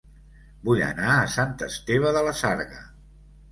Vull anar a Sant Esteve de la Sarga